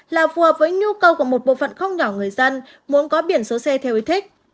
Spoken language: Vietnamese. là phù hợp với nhu cầu của một bộ phận không nhỏ người dân muốn có biển số xe theo ý thích